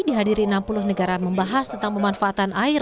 dihadiri enam puluh negara membahas tentang pemanfaatan air